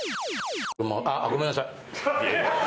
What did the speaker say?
あごめんなさい。